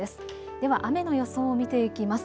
では雨の予想を見ていきます。